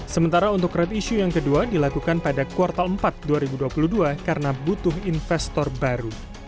sementara untuk road issue yang kedua dilakukan pada kuartal empat dua ribu dua puluh dua karena butuh investor baru